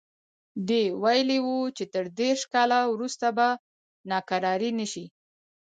ده ویلي وو چې تر دېرش کاله وروسته به ناکراري نه شي.